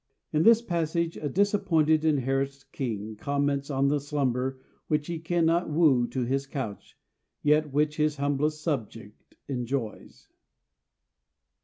In this passage a disappointed and harassed king comments on the slumber which he cannot woo to his couch, yet which his humblest subject enjoys.